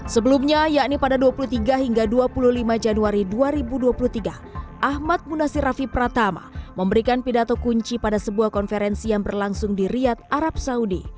sebelumnya yakni pada dua puluh tiga hingga dua puluh lima januari dua ribu dua puluh tiga ahmad munasir rafi pratama memberikan pidato kunci pada sebuah konferensi yang berlangsung di riyad arab saudi